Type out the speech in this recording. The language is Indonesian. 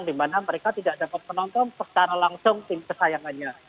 di mana mereka tidak dapat menonton secara langsung tim kesayangannya